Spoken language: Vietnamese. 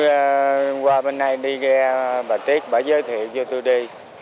anh úc đã được giới thiệu cho tôi đi